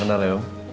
salam kenal ya om